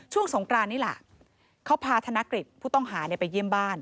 สงกรานนี่แหละเขาพาธนกฤษผู้ต้องหาไปเยี่ยมบ้าน